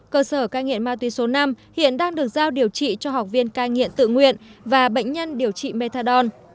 cơ sở ca nghiện ma túy số năm hiện đang được giao điều trị cho học viên ca nghiện tự nguyện và bệnh nhân điều trị methadone